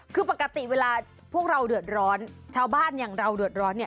คือปกติเวลาพวกเราเดือดร้อนชาวบ้านอย่างเราเดือดร้อนเนี่ย